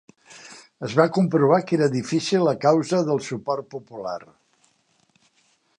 Es va comprovar que era difícil a causa del suport popular.